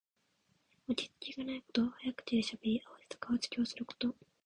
落ち着きがないこと。早口でしゃべり、あわてた顔つきをすること。